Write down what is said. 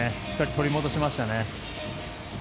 しっかり取り戻しましたね。